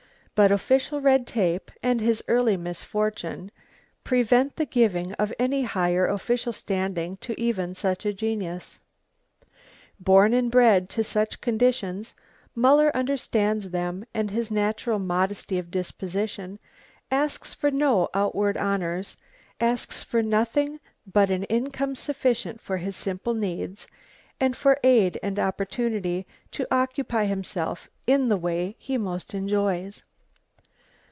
But official red tape, and his early misfortune... prevent the giving of any higher official standing to even such a genius. Born and bred to such conditions, Muller understands them, and his natural modesty of disposition asks for no outward honours, asks for nothing but an income sufficient for his simple needs, and for aid and opportunity to occupy himself in the way he most enjoys.